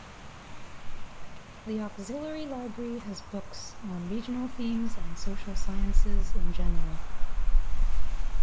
The auxiliary library has books on regional themes and social sciences in general.